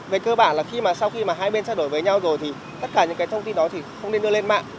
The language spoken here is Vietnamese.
về cơ bản là sau khi mà hai bên xác đổi với nhau rồi thì tất cả những cái thông tin đó thì không nên đưa lên mạng